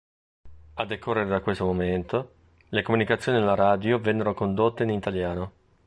A decorrere da questo momento, le comunicazioni alla radio vennero condotte in italiano.